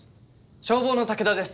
消防の武田です。